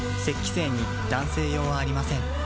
精に男性用はありません